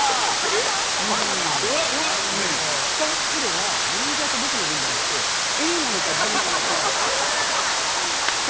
２袋はマネジャーと僕の分じゃなくてＡなのかＢなのか。